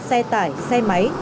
xe tải xe máy